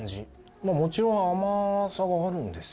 もちろん甘さはあるんですよ。